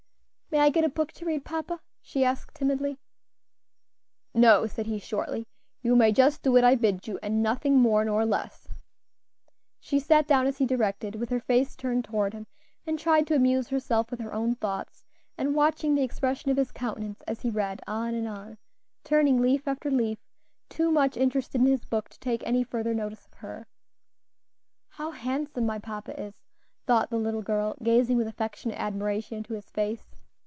"May I get a book to read, papa?" she asked timidly. "No," said he shortly. "You may just do what I bid you, and nothing more nor less." She sat down as he directed, with her face turned toward him, and tried to amuse herself with her own thoughts, and watching the expression of his countenance as he read on and on, turning leaf after leaf, too much interested in his book to take any further notice of her. "How handsome my papa is!" thought the little girl, gazing with affectionate admiration into his face.